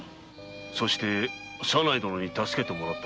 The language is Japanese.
そして左内殿に助けてもらったのか。